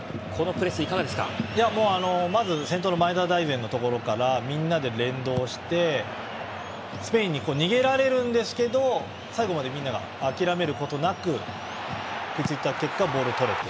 まず先頭の前田大然のところからみんなで連動してスペインに逃げられるんですけど最後までみんなが諦めることなく食いついた結果、ボールを取れた。